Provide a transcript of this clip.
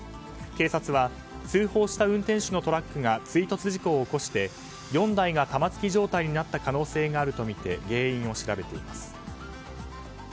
警察は通報した運転手のトラックが追突事故を起こして４台が玉突き状態になった可能性があるとみて原因を調べています。